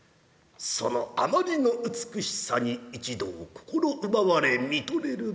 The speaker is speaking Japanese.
そのあまりの美しさに一同心奪われ見とれるばかり。